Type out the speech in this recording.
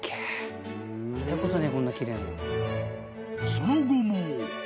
［その後も］